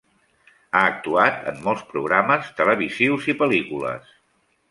Ha actuat en molts programes televisius i pel·lícules.